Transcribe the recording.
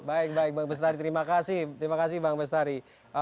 baik baik bang bestari terima kasih terima kasih bang bestari